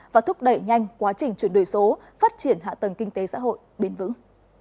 và thúc đẩy nhanh quá trình chuyển đổi số phát triển hạ tầng kinh tế xã hội bền vững